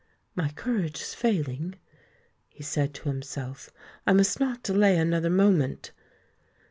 "My courage is failing," he said to himself: "I must not delay another moment."